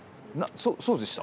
そうでした？